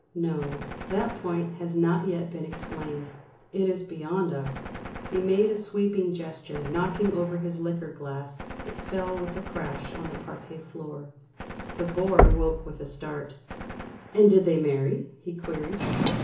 "No, that point has not yet been explained. It is beyond us!" He made a sweeping gesture, knocking over his liqueur glass; it fell with a crash on the parquet floor. The Bore woke with a start. "And did they marry?" he queried.